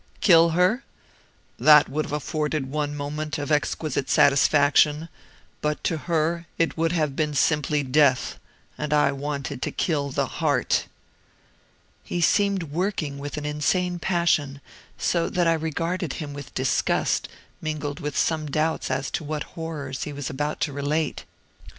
Kill her? That would have afforded one moment of exquisite satisfaction but to her it would have been simply death and I wanted to kill the heart." He seemed working with an insane passion, so that I regarded him with disgust, mingled with some doubts as to what horrors he was about to relate.